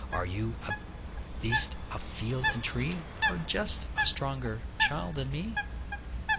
Are you a beast of field and tree, Or just a stronger child than me?